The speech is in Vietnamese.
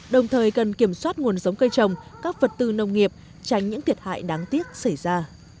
đồng thời cần kiểm soát nguồn giống cây trồng các vật tư nông nghiệp tránh những thiệt hại đáng tiếc xảy ra